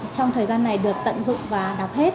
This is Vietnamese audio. trong thời gian này được tận dụng và đọc hết